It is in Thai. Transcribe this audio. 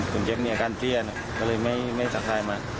คุณเจ็บเนี่ยการเซียนก็เลยไม่สักทายมา